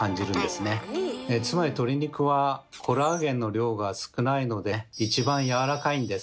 つまり鶏肉はコラーゲンの量が少ないので一番やわらかいんです。